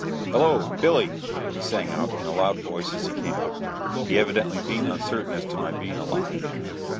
"Hello! Billy!" he sang out in a loud voice as he came up, he evidently being uncertain as to my being alive.